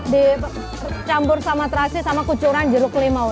dicampur sama terasi sama kucuran jeruk limau